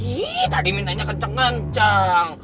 ih tadi minatnya kenceng kenceng